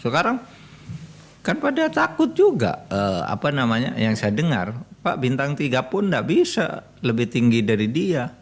sekarang kan pada takut juga apa namanya yang saya dengar pak bintang tiga pun tidak bisa lebih tinggi dari dia